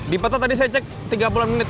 di peta tadi saya cek tiga puluh an menit